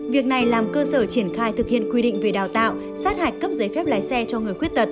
việc này làm cơ sở triển khai thực hiện quy định về đào tạo sát hạch cấp giấy phép lái xe cho người khuyết tật